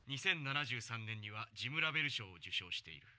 ２０７３年にはジム・ラヴェル賞を受賞している。